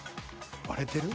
割れてる？